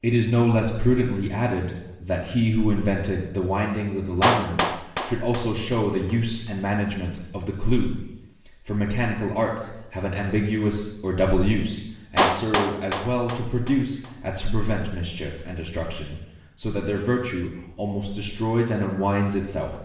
It is no less prudently added, that he who invented the windings of the labyrinth, should also show the use and management of the clue; for mechanical arts have an ambiguous or double use, and serve as well to produce as to prevent mischief and destruction; so that their virtue almost destroys or unwinds itself.